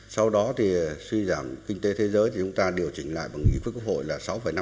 sau đó thì suy giảm kinh tế thế giới thì chúng ta điều chỉnh lại bằng nghị phước quốc hội là sáu năm